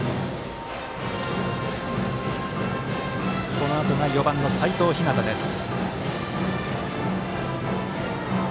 このあとが４番の齋藤陽です。